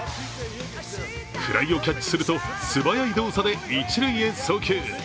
フライをキャッチすると素早い動作で一塁へ送球。